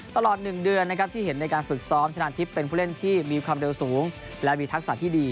ตลอด๑เดือนนะครับที่เห็นในการฝึกซ้อมชนะทิพย์เป็นผู้เล่นที่มีความเร็วสูงและมีทักษะที่ดี